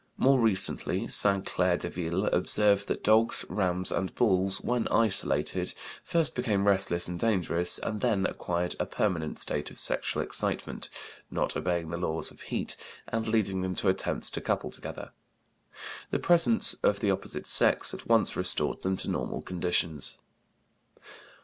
More recently Sainte Claire Deville observed that dogs, rams, and bulls, when isolated, first became restless and dangerous, and then acquired a permanent state of sexual excitement, not obeying the laws of heat, and leading them to attempts to couple together; the presence of the opposite sex at once restored them to normal conditions.